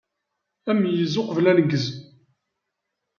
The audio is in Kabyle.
Ameyyez uqbel uneggez!